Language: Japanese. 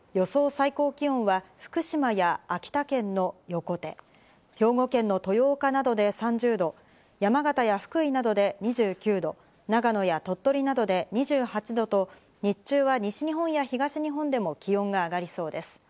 最高気温は福島や秋田県の横手、兵庫県の豊岡などで３０度、山形や福井などで２９度、長野や鳥取などで２８度と、日中は西日本や東日本でも気温が上がりそうです。